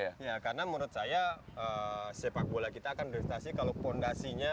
ya karena menurut saya sepak bola kita akan prestasi kalau fondasinya